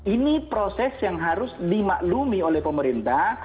ini proses yang harus dimaklumi oleh pemerintah